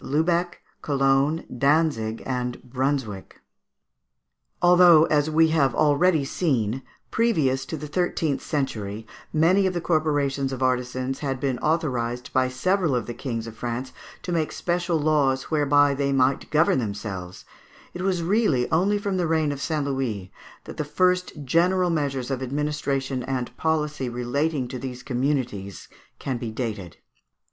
Lubeck, Cologne, Dantzic, and Brunswick. [Illustration: Fig. 204. Seal of the United Trades of Ghent (End of the Fifteenth Century).] Although, as we have already seen, previous to the thirteenth century many of the corporations of artisans had been authorised by several of the kings of France to make special laws whereby they might govern themselves, it was really only from the reign of St. Louis that the first general measures of administration and police relating to these communities can be dated.